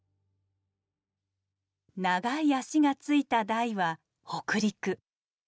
長い脚がついた台は北陸。